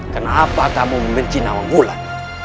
kenapa kamu membenci nama mulan